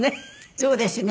そうですね。